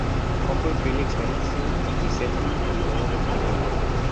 Koppel, Felix Mendelssohn, I. Pizzetti y O. Respighi.